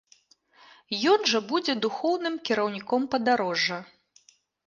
Ён жа будзе духоўным кіраўніком падарожжа.